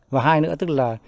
và hai nữa tức là